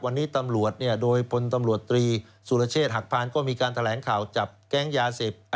วันนี้ตำรวจโดยพลตำรวจตรีสุรเชษฐหักพานก็มีการแถลงข่าวจับแก๊งยาเสพ